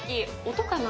音かな？